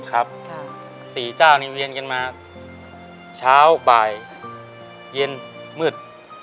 ๔เจ้านี่เวียนกันมาเช้าบ่ายเย็นมืด